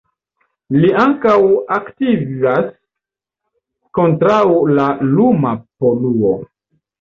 Li ankaŭ aktivas kontraŭ la luma poluo.